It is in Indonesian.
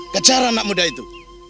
kejar anak muda itu